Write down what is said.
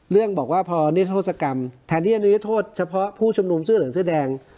เรื่องบอกว่าพอเนื้อโทษกรรมแทนเนื้อโทษเฉพาะผู้ชำนวงสื่อเหลืองสื่อแดง